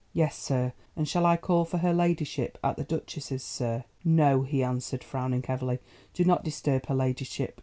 "Yes, sir. And shall I call for her ladyship at the duchess's, sir?" "No," he answered, frowning heavily, "do not disturb her ladyship.